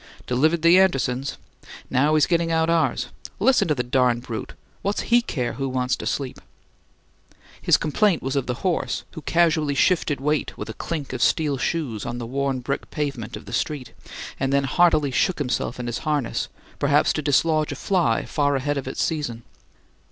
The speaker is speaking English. Delivered the Andersons'. Now he's getting out ours. Listen to the darn brute! What's HE care who wants to sleep!" His complaint was of the horse, who casually shifted weight with a clink of steel shoes on the worn brick pavement of the street, and then heartily shook himself in his harness, perhaps to dislodge a fly far ahead of its season.